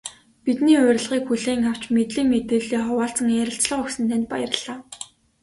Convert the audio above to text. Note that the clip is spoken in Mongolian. Бидний урилгыг хүлээн авч, мэдлэг мэдээллээ хуваалцан ярилцлага өгсөн танд баярлалаа.